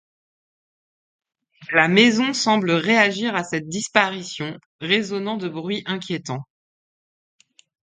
La maison semble réagir à cette disparition, résonnant de bruits inquiétants...